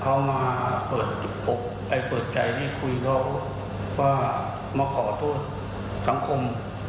เขามาเปิดจุดอกไปเปิดใจให้คุยเขาว่ามาขอโทษสังคม